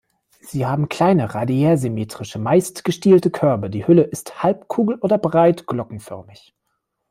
Sie haben kleine radiärsymmetrische, meist gestielte Körbe, die Hülle ist halbkugel- oder breit glockenförmig.